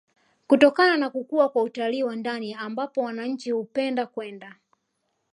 kutokana na kukua kwa utalii wa ndani ambapo wananchi hupenda kwenda